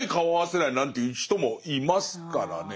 一切顔合わせないなんていう人もいますからね。